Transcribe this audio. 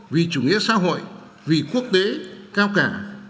vì chủ nghĩa xã hội vì quốc tế cao cả